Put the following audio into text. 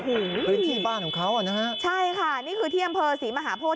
พื้นที่บ้านของเขาอ่ะนะฮะใช่ค่ะนี่คือที่อำเภอศรีมหาโพธิ